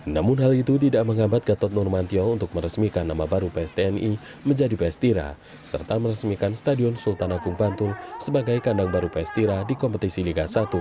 namun hal itu tidak menghambat gatot nurmantio untuk meresmikan nama baru pstni menjadi pstira serta meresmikan stadion sultan agung bantul sebagai kandang baru pstira di kompetisi liga satu